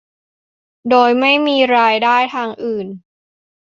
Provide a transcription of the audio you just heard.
โดยไม่มีรายได้ทางอื่น